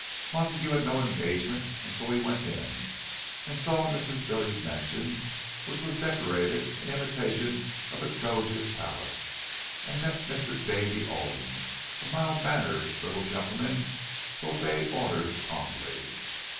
Montague had no engagement, and so he went in, and saw Mrs. Billy's mansion, which was decorated in imitation of a Doge's palace, and met Mr. "Davy" Alden, a mild mannered little gentleman who obeyed orders promptly.